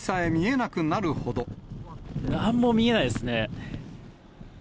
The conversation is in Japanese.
なんも見えないですね。